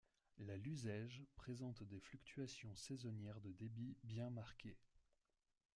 La Luzège présente des fluctuations saisonnières de débit bien marquées.